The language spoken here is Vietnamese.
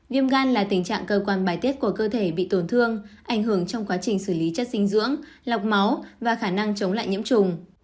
viêm gan là tình trạng cơ quan bài tiết của cơ thể bị tổn thương ảnh hưởng trong quá trình xử lý chất dinh dưỡng lọc máu và khả năng chống lại nhiễm trùng